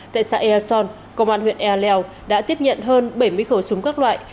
tại xe a son công an huyện e leo đã tiếp nhận hơn bảy mươi khẩu súng các loại